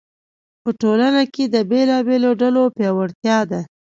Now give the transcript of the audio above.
په ټولنه کې د بېلابېلو ډلو پیاوړتیا ده.